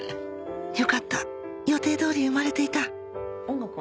よかった予定通り生まれていた音楽は？